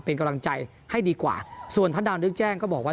เป็นกำลังใจให้ดีกว่าส่วนทัศน์นึกแจ้งก็บอกว่า